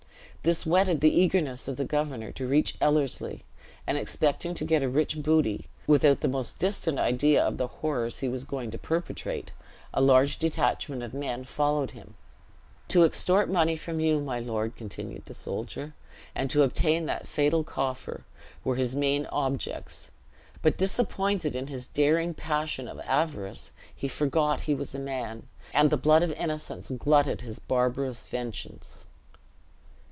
This whetted the eagerness of the governor to reach Ellerslie; and expecting to get a rich booty, without the most distant idea of the horrors he was going to perpetrate, a large detachment of men followed him. "To extort money from you, my lord," continued the soldier, "and to obtain that fatal coffer, were his main objects; but disappointed in his darling passion of avarice, he forgot he was a man, and the blood of innocence glutted his barbarous vengeance."